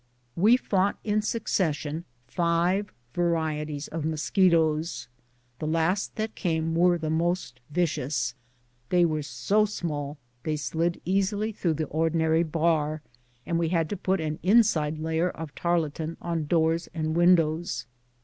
We fought in succession five varieties of mosquitoes; the last that came were the most vicious. They were so small they slid easily THE SUMMER OF THE BLACK HILLS EXPEDITION. 185 through the ordinary bar, and we had to put an inside layer of tarlatan on doors and windows.